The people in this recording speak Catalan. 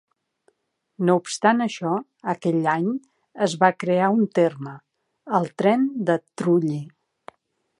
No obstant això, aquell any es va crear un terme, el "Tren de Trulli".